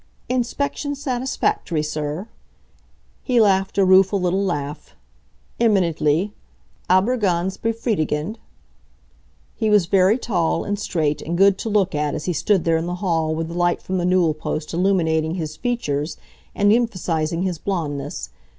"Inspection satisfactory, sir?" He laughed a rueful little laugh. "Eminently. Aber ganz befriedigend." He was very tall, and straight and good to look at as he stood there in the hall with the light from the newel post illuminating his features and emphasizing his blondness.